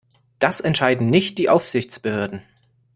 Das entscheiden nicht die Aufsichtsbehörden.